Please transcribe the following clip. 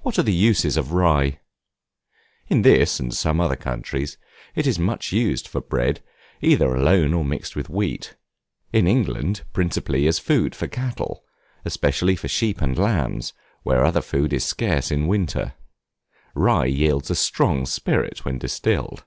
What are the uses of Rye? In this and some other countries it is much used for bread, either alone or mixed with wheat; in England principally as food for cattle, especially for sheep and lambs, when other food is scarce in winter. Rye yields a strong spirit when distilled.